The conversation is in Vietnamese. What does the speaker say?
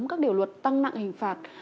các điều luật tăng nặng hình phạt